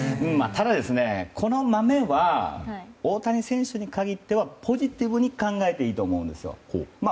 ただ、このマメは大谷選手に限ってはポジティブに考えていいと思います。